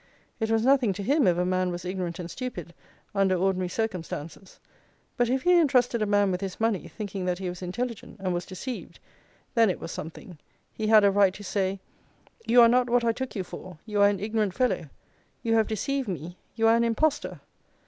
It was nothing to him if a man was ignorant and stupid, under ordinary circumstances; but if he entrusted a man with his money, thinking that he was intelligent, and was deceived, then it was something; he had a right to say, 'You are not what I took you for, you are an ignorant fellow; you have deceived me, you are an impostor.'